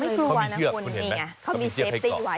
ไม่กลัวนะคุณเห็นมั้ยเขามีเซฟตี้กว่า